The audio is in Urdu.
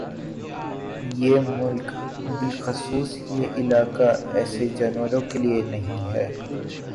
یہ ملک بلخصوص یہ علاقہ ایسے جانوروں کے لیے نہیں ہے